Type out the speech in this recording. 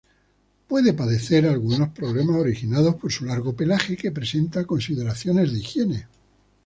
Puede padecer algunos problemas originados por su largo pelaje, que presenta consideraciones de higiene.